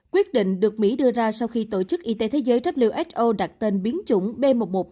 quyết định được mỹ đưa ra sau khi tổ chức y tế thế giới who đặt tên biến chủng b một một năm trăm hai mươi chín